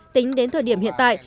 tính đến thời điểm hiện tại